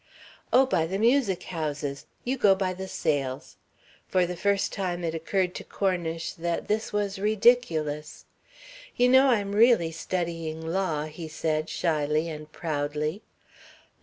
"Oh, by the music houses. You go by the sales." For the first time it occurred to Cornish that this was ridiculous. "You know, I'm really studying law," he said, shyly and proudly.